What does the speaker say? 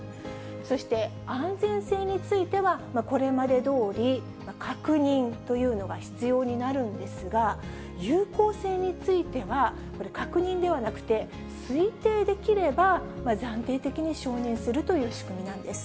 そして安全性については、これまでどおり確認というのが必要になるんですが、有効性については、確認ではなくて、推定できれば、暫定的に承認するという仕組みなんです。